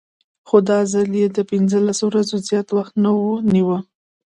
خو دا ځل یې له پنځلسو ورځو زیات وخت ونه نیوه.